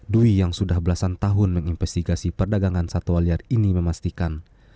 dwi yang sudah belasan tahun menginvestigasi perdagangan satwa liar ini memastikan